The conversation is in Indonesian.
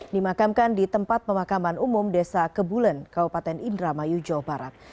dimakamkan di tempat pemakaman umum desa kebulen kabupaten indramayu jawa barat